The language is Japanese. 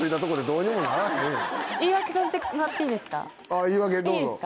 あぁ言い訳どうぞ。